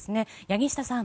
柳下さん。